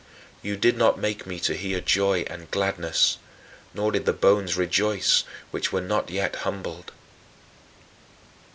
You did not "make me to hear joy and gladness," nor did the bones rejoice which were not yet humbled.